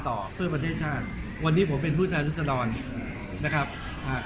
ต่อเพื่อประเทศชาติวันนี้ผมเป็นผู้แทนรัศดรนะครับอ่า